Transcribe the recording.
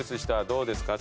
どうですか？